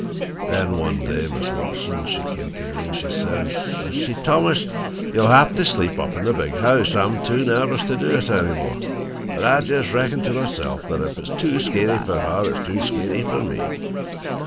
Then one day Mis' Watson, she came to me an' she sez, sez she, 'Thomas, you'll hev to sleep up in the big house. I'm too nervous to do it any more.' But I jes' reckon to myself that ef it's too skeery fer her, it's too skeery fer me.